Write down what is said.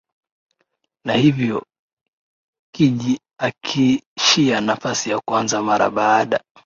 na hivyo kijiakishia nafasi ya kwanza mara baada